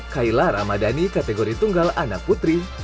kayla ramadhani kategori tunggal anak putri